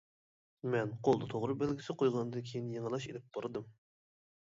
مەن قولدا توغرا بەلگىسى قويغاندىن كېيىن يېڭىلاش ئېلىپ باردىم.